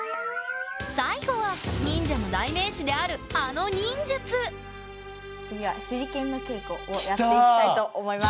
最後は忍者の代名詞であるあの忍術！をやっていきたいと思います。